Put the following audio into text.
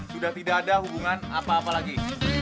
sudah tidak ada hubungan apa apa lagi